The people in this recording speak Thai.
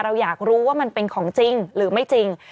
เราอยากรู้ว่ามันเป็นของจริงหรือไม่จริง